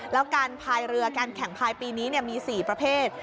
แล้วการแข่งเรือพายปีนี้มี๔ประเภท